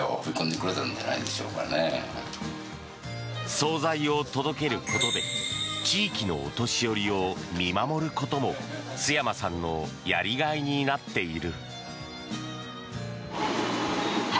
総菜を届けることで地域のお年寄りを見守ることも陶山さんのやりがいになっている。